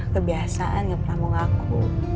kebiasaan gak pernah mau ngaku